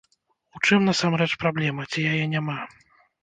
У чым насамрэч праблема, ці яе няма?